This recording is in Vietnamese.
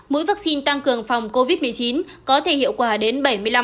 mỗi vaccine tăng cường phòng covid một mươi chín có thể hiệu quả đến bảy mươi năm